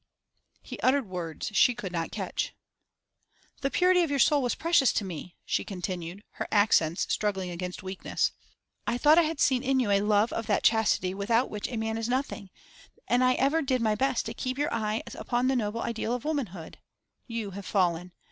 He uttered words she could not catch. 'The purity of your soul was precious to me,' she continued, her accents struggling against weakness; 'I thought I had seen in you a love of that chastity without which a man is nothing; and I ever did my best to keep your eyes upon a noble ideal of womanhood. You have fallen.